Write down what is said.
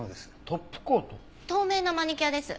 透明なマニキュアです。